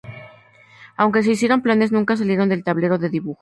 Aunque se hicieron planes, nunca salieron del tablero de dibujo.